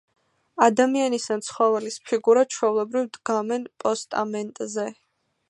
ადამიანის ან ცხოველის ფიგურა, ჩვეულებრივ, დგამენ პოსტამენტზე.